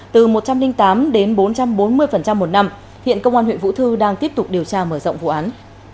từ một trăm linh tám đến bốn trăm bốn mươi một năm hiện công an huyện vũ thư đang tiếp tục điều tra mở rộng vụ án